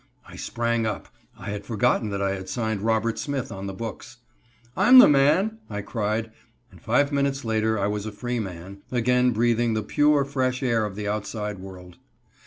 I sprang up. I had forgotten that I had signed Robert Smith on the books. "I'm the man!" I cried, and five minutes later I was a free man, again breathing the pure, fresh air of the outside world.